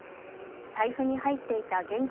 財布に入っていた現金